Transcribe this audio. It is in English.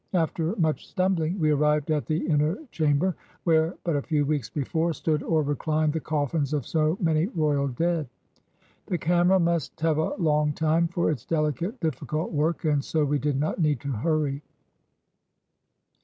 After much stumbling we arrived at the inner chamber where, but a few weeks before, stood or reclined the coffins of so many royal dead. The camera must have a long time for its dehcate, difficult work, and so we did not need to hurry.